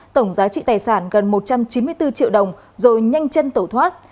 tổng giá trị tài sản gần một trăm chín mươi bốn triệu đồng rồi nhanh chân tẩu thoát